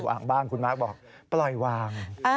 อ่างบ้านคุณมาร์คบอกปล่อยวาง